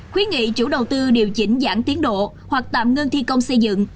khuyến nghị chủ đầu tư điều chỉnh giãn tiến độ hoặc tạm ngưng thi công xây dựng